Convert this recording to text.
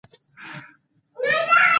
ښه نو بیا دې کار ایستلی.